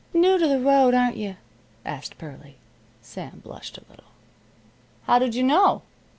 "New to the road, aren't you?" asked Pearlie. Sam blushed a little. "How did you know?"